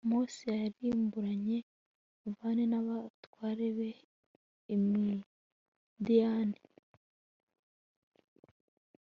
mose yarimburanye v n abatware b i midiyani